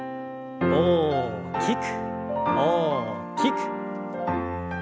大きく大きく。